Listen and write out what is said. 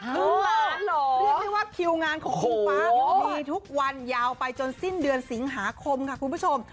คือเรียกได้ว่าคิวงานของครูฟ้ามีทุกวันยาวไปจนสิ้นเดือนสิงหาคมค่ะคุณผู้ชม